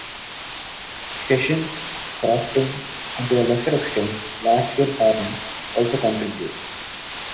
Fishing, crofting and to a lesser extent, large-scale farming also contribute.